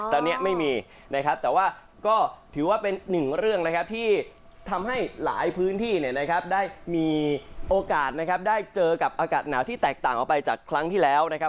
ตอนนี้ไม่มีนะครับแต่ว่าก็ถือว่าเป็นหนึ่งเรื่องนะครับที่ทำให้หลายพื้นที่ได้มีโอกาสได้เจอกับอากาศหนาวที่แตกต่างออกไปจากครั้งที่แล้วนะครับ